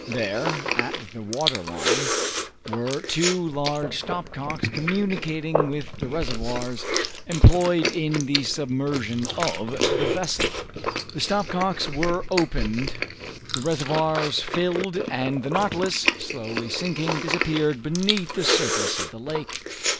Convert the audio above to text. There, at the water line, were two large stop cocks communicating with the reservoirs employed in the submersion of the vessel. The stop cocks were opened, the reservoirs filled, and the "Nautilus," slowly sinking, disappeared beneath the surface of the lake.